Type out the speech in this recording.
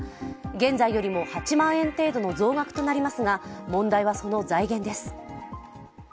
現在よりも８万円程度の増額となりますが問題はその財源です。